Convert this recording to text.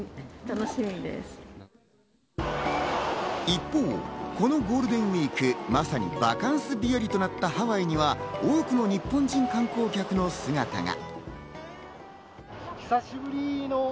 一方、このゴールデンウイーク、まさにバカンス日和となったハワイには多くの日本人観光客の姿が。